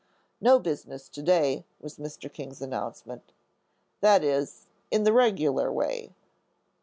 "No business to day," was Mr. King's announcement, "that is, in the regular way.